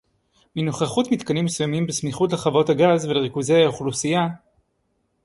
מנוכחות מתקנים מסוימים בסמיכות לחוות הגז ולריכוזי האוכלוסייה